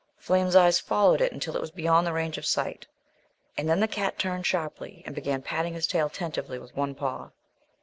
Flame's eyes followed it until it was beyond the range of sight, and then the cat turned sharply and began patting his tail tentatively with one paw.